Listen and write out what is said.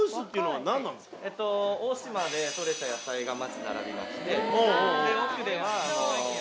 えっと大島で取れた野菜がまず並びまして。